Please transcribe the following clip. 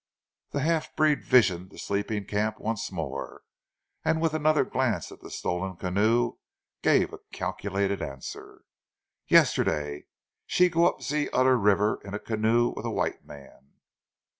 The half breed visioned the sleeping camp once more, and with another glance at the stolen canoe, gave a calculated answer. "Yesterday. She go up zee oder river in a canoe with a white man."